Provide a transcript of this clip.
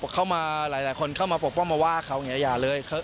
เข้ามาหลายคนเข้ามาบอกว่ามาว่าเขาอย่าเลย